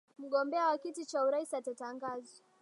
mgombea wa kiti cha urais atatangazwa